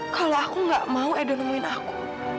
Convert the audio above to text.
kalau aku gak mau edo nemuin aku